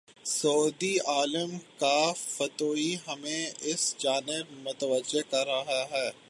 سعودی عالم کا فتوی ہمیں اس جانب متوجہ کر رہا ہے۔